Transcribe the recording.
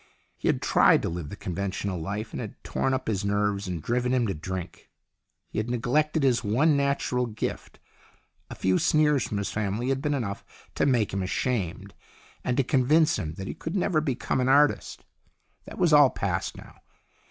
He had tried to live the con ventional life, and it had torn up his nerves and driven him to drink. He had neglected, his one natural gift. A few sneers from his family had been enough to make him ashamed, and to convince him that he could never become an artist. That was all past now.